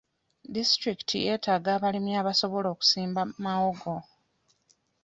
Disitulikiti yeetaaga abalimi abasobola okusimba mawogo.